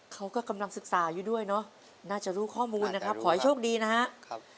เขาก็กำลังศึกษาอยู่ด้วยเนอะน่าจะรู้ข้อมูลนะครับขอให้โชคดีนะครับ